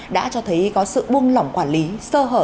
đã cho thấy có sự buông lỏng quản lý sơ hở